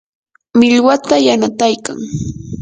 millwata yanataykan.